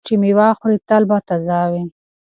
هغه څوک چې مېوه خوري تل به تازه وي.